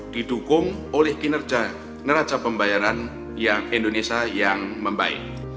didukung oleh kinerja neraca pembayaran indonesia yang membaik